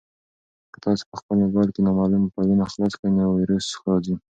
که تاسي په خپل موبایل کې نامعلومه فایلونه خلاص کړئ نو ویروس راځي.